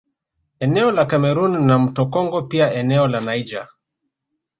Eneo la Cameroon na mto Congo pia eneo la Niger